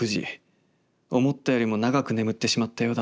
思ったよりも長く眠ってしまったようだ。